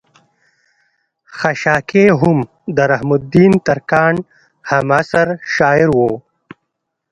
خشاکے هم د رحم الدين ترکاڼ هم عصر شاعر وو